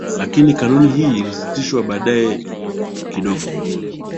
lakini kanuni hii ilisitishwa baadayekidogo